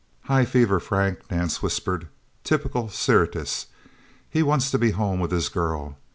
"High fever, Frank," Nance whispered. "Typical Syrtis. He wants to be home with his girl.